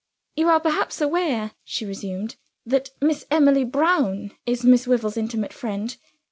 "You are perhaps aware," she resumed, "that Miss Emily Brown is Miss Wyvil's intimate friend.